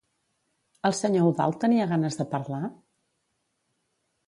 El senyor Eudald tenia ganes de parlar?